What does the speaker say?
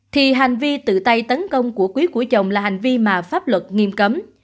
thì hành vi tự tay tấn công của quý của chồng là hành vi mà pháp luật nghiêm cấm